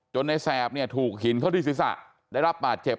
ในแสบเนี่ยถูกหินเข้าที่ศีรษะได้รับบาดเจ็บ